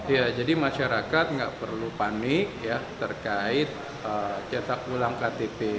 ya jadi masyarakat nggak perlu panik ya terkait cetak ulang ktp